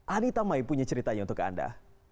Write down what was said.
anita mai punya ceritanya untuk anda